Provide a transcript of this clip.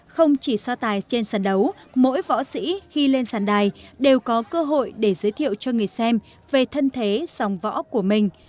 không chỉ so tài trên sàn đấu mỗi võ sĩ khi lên sàn đài đều có cơ hội để giới thiệu cho người xem về thân thế song võ của mình